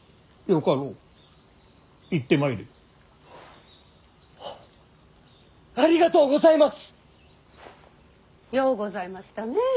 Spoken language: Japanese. ようございましたね